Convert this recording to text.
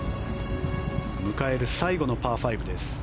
迎える最後のパー５です。